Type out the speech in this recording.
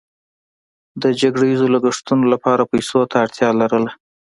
د جګړه ییزو لګښتونو لپاره پیسو ته اړتیا لرله.